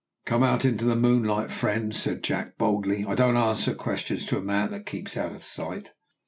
"Come out into the moonlight, friend," said Jack, boldly; "I don't answer questions to a man that keeps out of sight."